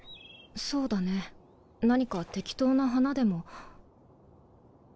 そうだね何か適当な花でも。